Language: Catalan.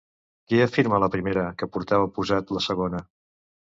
Què afirma la primera que portava posat la segona?